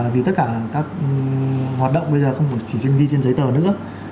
vì tất cả các hoạt động bây giờ không chỉ diễn vi trên giấy tờ nữa